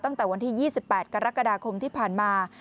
ตั้งแต่วันที่๒๘กรกฎาคมที่ผ่านมา